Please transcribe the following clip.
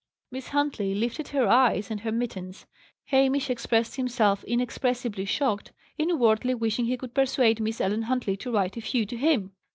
Miss Huntley lifted her eyes, and her mittens. Hamish expressed himself inexpressibly shocked, inwardly wishing he could persuade Miss Ellen Huntley to write a few to him.